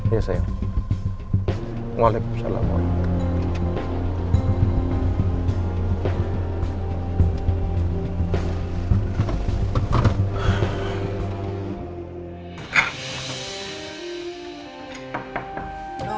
iya sayang waalaikumsalam waalaikumsalam